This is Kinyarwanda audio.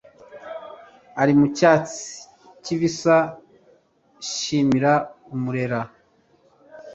ari mu cyatsi kibisa shimira umurera